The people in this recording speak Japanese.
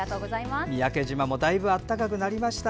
三宅島もだいぶ暖かくなりました。